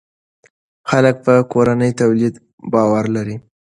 خلک په کورني تولید باور لري.